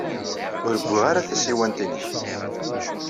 Ur wwiɣ ara tasiwant-nnek.